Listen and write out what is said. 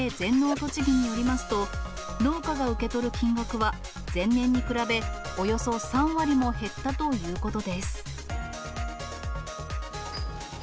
とちぎによりますと、農家が受け取る金額は、前年に比べおよそ３割も減ったということです。